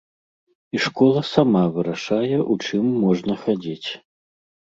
І школа сама вырашае, у чым можна хадзіць.